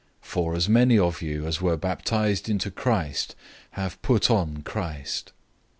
003:027 For as many of you as were baptized into Christ have put on Christ.